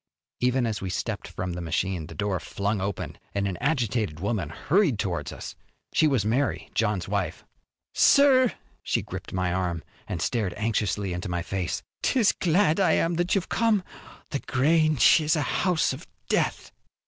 Even as we stepped from the machine the door flung open and an agitated woman hurried towards us. She was Mary, John's wife. "Sir!" She gripped my arm and stared anxiously into my face. "'Tis glad I am that you've come. The Grange is a house of death."